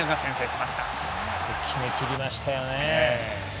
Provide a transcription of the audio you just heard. うまく決めきりましたよね。